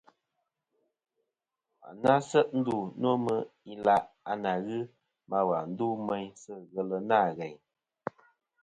À, wa n-se ndu nô mɨ ilaʼ a nà ghɨ ma wà ndu meyn sɨ ghelɨ nâ ghèyn.